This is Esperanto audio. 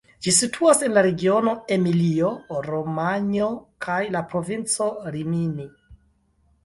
Ĝi situas en la regiono Emilio-Romanjo kaj la provinco Rimini.